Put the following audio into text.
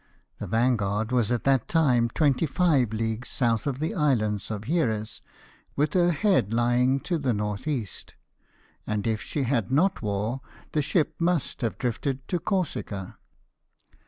The Vanguard was at that time 25 leagues south of the islands of Hieres, with her head lying to the N.E. ; and if she had not wore, the ship must have drifted to Corsica.